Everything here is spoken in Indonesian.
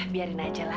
biarin aja lah